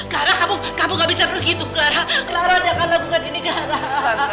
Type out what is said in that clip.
clara kamu kamu gak bisa begitu clara clara jangan lakukan ini clara